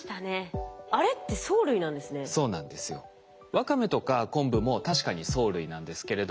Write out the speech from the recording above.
ワカメとか昆布も確かに藻類なんですけれども